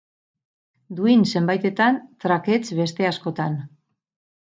Duin zenbaitetan, trakets beste askotan.